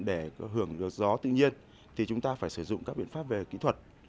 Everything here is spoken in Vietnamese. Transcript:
để hưởng gió tự nhiên thì chúng ta phải sử dụng các biện pháp về kỹ thuật